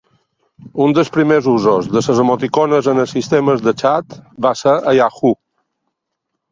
Un dels primers usos de les emoticones en els sistemes de xat va ser a Yahoo!